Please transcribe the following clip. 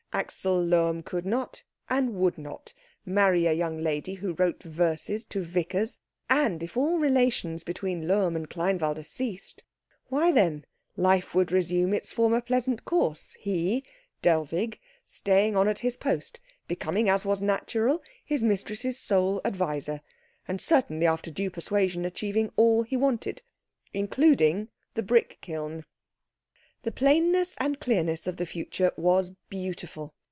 Axel Lohm could not and would not marry a young lady who wrote verses to vicars; and if all relations between Lohm and Kleinwalde ceased, why then life would resume its former pleasant course, he, Dellwig, staying on at his post, becoming, as was natural, his mistress's sole adviser, and certainly after due persuasion achieving all he wanted, including the brick kiln. The plainness and clearness of the future was beautiful.